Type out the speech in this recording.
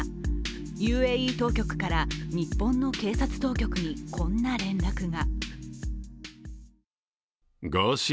ＵＡＥ当局から日本の警察当局にこんな連絡が。